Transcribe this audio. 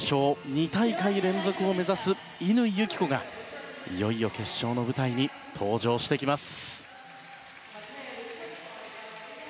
２大会連続を目指す乾友紀子がいよいよ決勝の舞台に登場してきます。